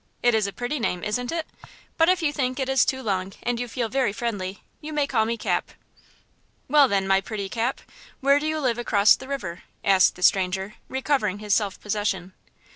It is a pretty name, isn't it? But if you think it is too long, and you feel very friendly, you may call me Cap." "Well, then, my pretty Cap, where do you live across the river?" asked the stranger, recovering his self possession.